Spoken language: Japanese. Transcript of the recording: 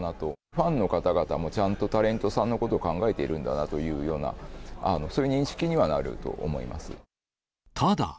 ファンの方々もちゃんとタレントさんのこと、考えているんだなというような、そういう認識にはなただ。